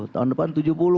tahun depan tujuh puluh